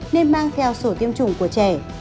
nên mang theo sổ tiêm chủng của trẻ